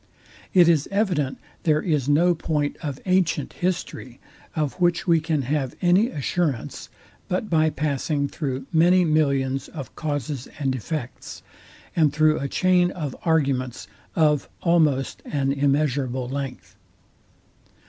It is evident there is no point of ancient history, of which we can have any assurance, but by passing through many millions of causes and effects, and through a chain of arguments of almost an immeasurable length.